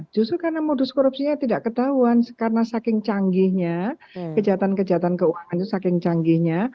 justru karena modus korupsinya tidak ketahuan karena saking canggihnya kejahatan kejahatan keuangan itu saking canggihnya